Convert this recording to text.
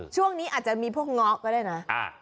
ช่วงนี้อาจจะมีพวกเงาะก็ได้นะ